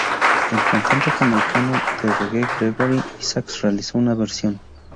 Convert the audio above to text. El cantante jamaicano de reggae Gregory Isaacs realizó una versión.